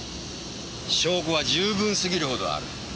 証拠は十分すぎるほどある。